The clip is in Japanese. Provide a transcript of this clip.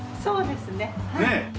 そうですねはい。